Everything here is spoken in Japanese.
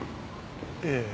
ええ。